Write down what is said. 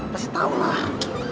pasti tau lah